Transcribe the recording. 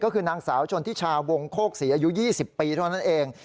ก็คือนางสาวชนทิชาวงโคกศรีอายุ๒๐ปีเท่านั้นเอง